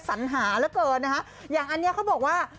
จะหาแล้วเกินนะค่ะอย่างอันนี้เขาบอกว่า